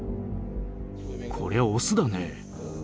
こりゃオスだね。